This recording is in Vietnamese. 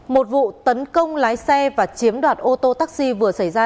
một vụ tấn công lái xe và chiếm đoạt ô tô taxi vừa xảy ra